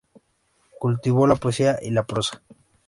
Cultivó la poesía y la prosa.